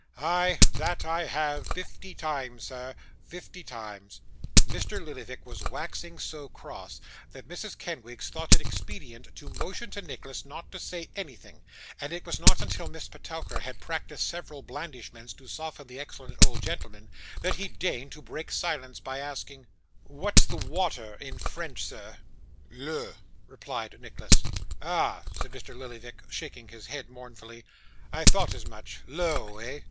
Ay, that I have, fifty times, sir fifty times!' Mr. Lillyvick was waxing so cross, that Mrs. Kenwigs thought it expedient to motion to Nicholas not to say anything; and it was not until Miss Petowker had practised several blandishments, to soften the excellent old gentleman, that he deigned to break silence by asking, 'What's the water in French, sir?' 'L'EAU,' replied Nicholas. 'Ah!' said Mr. Lillyvick, shaking his head mournfully, 'I thought as much. Lo, eh?